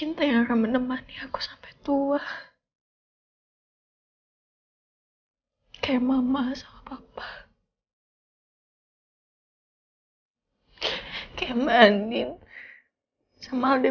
ntar gak ada lagi aku gak punya lipstick kayak gini lagi